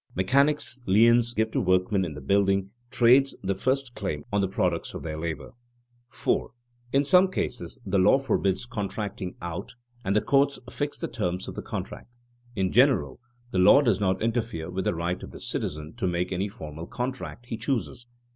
Mechanics' liens give to workmen in the building trades the first claim on the products of their labor. [Sidenote: Limitation of freedom of contract] 4. In some cases the law forbids "contracting out," and the courts fix the terms of the contract. In general, the law does not interfere with the right of the citizen to make any formal contract he chooses.